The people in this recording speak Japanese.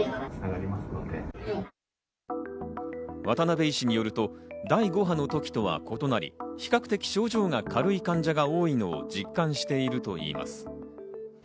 渡邊医師によると第５波の時とは異なり、比較的症状が軽い患者が多いのを実感しているといいます。